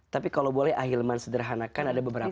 tapi kalau boleh akhilman sederhana bisa mencari yang lebih besar